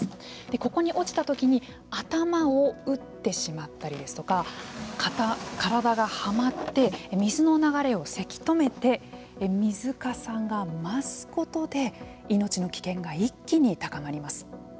ここに落ちたときに頭を打ってしまったりですとか体がはまって水の流れをせき止めて水かさが増すことで命の危険が一気に高まります。